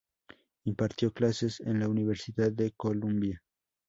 Impartió clases en la Universidad de Columbia.